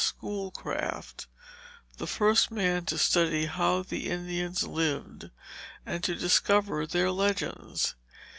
Schoolcraft, the first man to study how the Indians lived and to discover their legends.